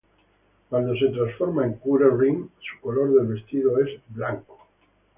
Cuando se transforma en Cure Rhythm su color del vestido es el blanco.